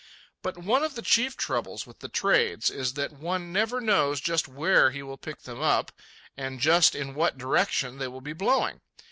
But one of the chief troubles with the trades is that one never knows just where he will pick them up and just in what direction they will be blowing.